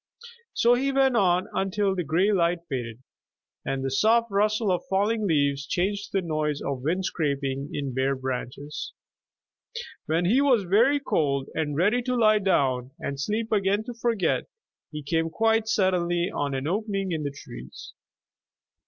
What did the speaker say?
So he went on until the gray light faded, and the soft rustle of falling leaves changed to the noise of wind scraping in bare branches. When he was very cold, and ready to lie down and sleep again to forget, he came quite suddenly on an opening in the trees.